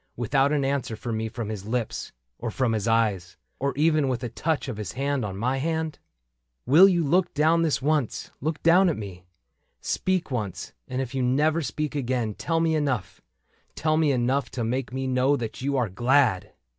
Without an answer for me from his lips. Or from his eyes, — or even with a touch Of his hand on my hand ?••• i6o AS A WORLD WOULD HAVE IT '' Will you look down this once — look down at me ? Speak once — and if you never speak again. Tell me enough — tell me enough to make Me know that you are glad